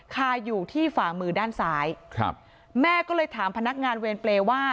คาอยู่ที่ฝ่ามือด้านซ้ายครับแม่ก็เลยถามพนักงานเวรเปรย์ว่า